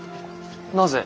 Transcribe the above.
なぜ？